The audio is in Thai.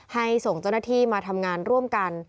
ส่งเจ้าหน้าที่มาทำงานร่วมกัน